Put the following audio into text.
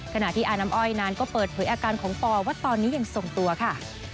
ขณะที่อาน้ำอ้อยนานก็เปิดเผยอาการของปอว่าตอนนี้ยังทรงตัวค่ะ